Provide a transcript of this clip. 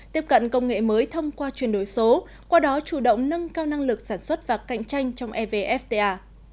tiếp cận công nghệ mới thông qua chuyển đổi số qua đó chủ động nâng cao năng lực sản xuất và cạnh tranh trong evfta